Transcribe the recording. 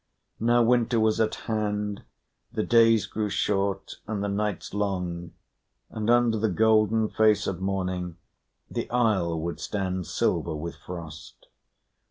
Now winter was at hand; the days grew short and the nights long; and under the golden face of morning the isle would stand silver with frost.